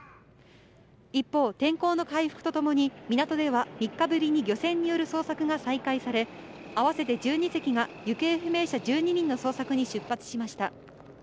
一方、天候の回復とともに、港では３日ぶりに漁船による捜索が再開され、合わせて１２隻が行方不明者１２人の捜索に出発しました。